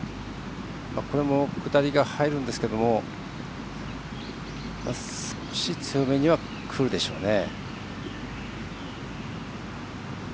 これも下りが入るんですけども少し強めにはくるでしょうね。